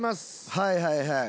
はいはいはい。